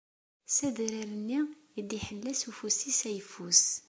S adrar-nni i d-iḥella s ufus-is ayeffus.